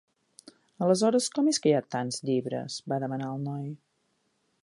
"Aleshores, com és que hi ha tants llibres?", va demanar el noi.